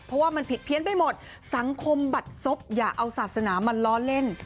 เพราะว่ามันผิดเพี้ยนไปหมดสังคมบัดศพอย่าเอาศาสนามาล้อเล่น